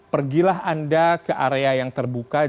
pergilah anda ke area yang terbuka